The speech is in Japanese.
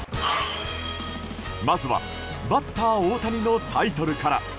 まずはバッター大谷のタイトルから。